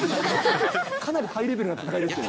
かなりハイレベルな戦いですけどね。